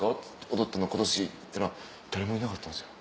踊ったの今年」って言ったら誰もいなかったんですよ。